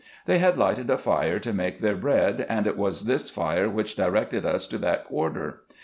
They had lighted a fire to make their bread, and it was this fire which directed us to that quarter.